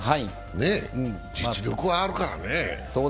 実力はあるからね。